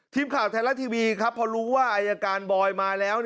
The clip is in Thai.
ทีมข่าวไทยรัฐทีวีครับพอรู้ว่าอายการบอยมาแล้ว